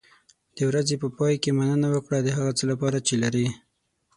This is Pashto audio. د ورځې په پای کې مننه وکړه د هغه څه لپاره چې لرې.